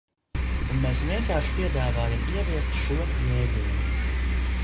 Un mēs vienkārši piedāvājam ieviest šo jēdzienu.